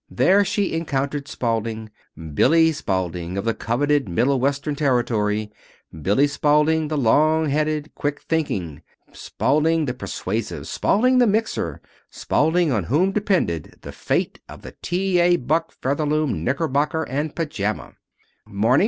There she encountered Spalding Billy Spalding, of the coveted Middle Western territory, Billy Spalding, the long headed, quick thinking; Spalding, the persuasive, Spalding the mixer, Spalding on whom depended the fate of the T. A. Buck Featherloom Knickerbocker and Pajama. "'Morning!